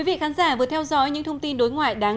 và anh nghĩ thế nào về phát triển báo cáo này